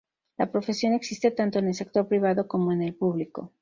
La profesión existe tanto en el sector privado como en el público.